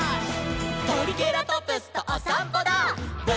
「トリケラトプスとおさんぽダー！！」